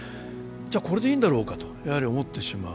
これでいいんだろうかとやはり思ってしまう。